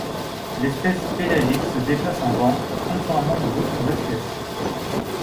L'espèce pélagique se déplace en banc, contrairement aux autres espèces.